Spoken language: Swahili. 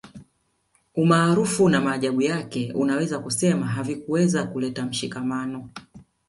Umaarufu na maajabu yake unaweza kusema havikuweza kuleta mshikamano